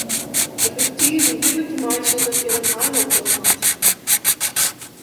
It wurdt tiid om dúdlik te meitsjen dat hjir in ein oan komme moat.